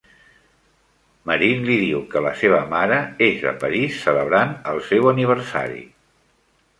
Marin li diu que la seva mare és a París celebrant el seu aniversari.